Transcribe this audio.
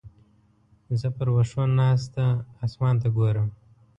زه پر وښو ناسته اسمان ته ګورم.